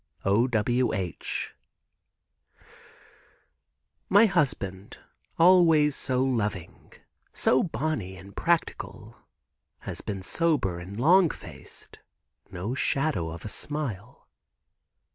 —O. W. H. My husband, always so loving, so bonny and practical, has become sober and long faced, no shadow of a smile.